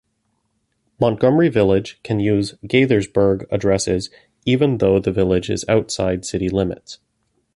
Montgomery Village can use Gaithersburg addresses even though the village is outside city limits.